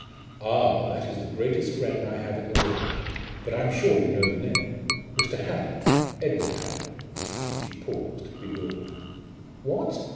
"Ah! that is the greatest friend I have in the world. But I am sure you know the name. Mr. Hallin Edward Hallin." She paused bewildered. "What!